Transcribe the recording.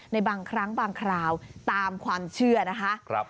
ในบางครั้งบางคราวตามความเชื่อนะคะ